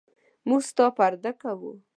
موږ ستا پرده کوو.